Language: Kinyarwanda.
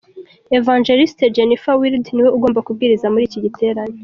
Ev Jennifer Wilde ni we ugomba kubwiriza muri iki giterane.